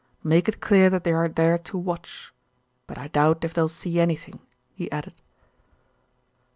"Make it clear that they are there to watch; but I doubt if they'll see anything," he added.